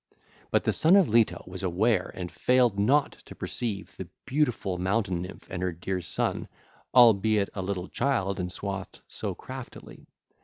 But the Son of Leto was aware and failed not to perceive the beautiful mountain nymph and her dear son, albeit a little child and swathed so craftily.